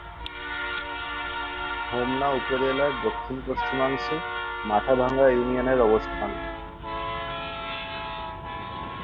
হোমনা উপজেলার দক্ষিণ-পশ্চিমাংশে মাথাভাঙ্গা ইউনিয়নের অবস্থান।